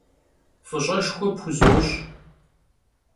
F'ış'eşşxue pxuzoş'.